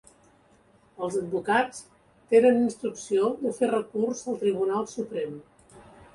Els advocats tenen instrucció de fer recurs al Tribunal Suprem.